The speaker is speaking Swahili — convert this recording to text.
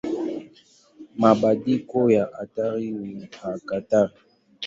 Mabadiliko ya haraka ni hatari.